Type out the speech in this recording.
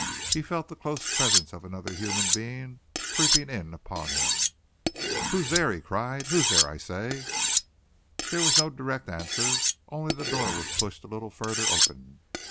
He felt the close presence of another human being creeping in upon him. "Who's there?" he cried. "Who's there, I say?" There was no direct answer, only the door was pushed a little further open.